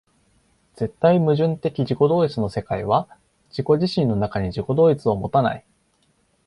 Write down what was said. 絶対矛盾的自己同一の世界は自己自身の中に自己同一を有たない。